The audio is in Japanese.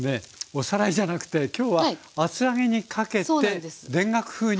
おさらいじゃなくて今日は厚揚げにかけて田楽風にねするということですよね。